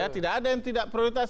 tidak ada yang tidak prioritas